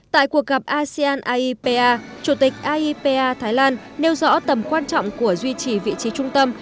tại cuộc gặp asean aipa chủ tịch aipa thái lan nêu rõ tầm quan trọng của duy trì vị trí trung tâm